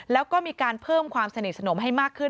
แล้วก็มีการเพิ่มความสนิทสนมให้มากขึ้น